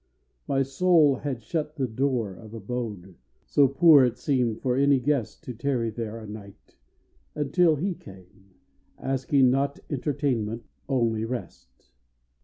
My soul had shut the door of abode, So poor it seemed for any guest To tarry there a night, until he came, Asking, not entertainment, only rest.